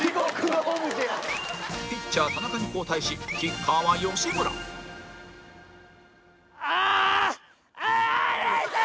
ピッチャー田中に交代しキッカーは吉村ああ！ああ痛い痛い痛い！